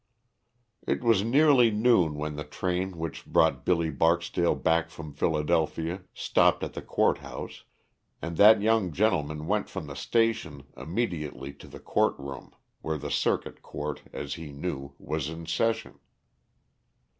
_ It was nearly noon when the train which brought Billy Barksdale back from Philadelphia stopped at the Court House, and that young gentleman went from the station immediately to the court room, where the Circuit Court, as he knew, was in session.